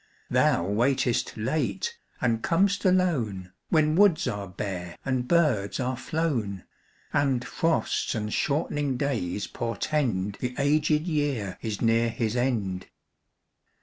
Thou waitest late and com'st alone, When woods are bare and birds are flown, And frosts and shortening days portend The aged year is near his end.